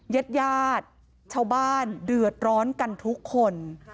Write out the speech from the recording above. ญาติญาติชาวบ้านเดือดร้อนกันทุกคน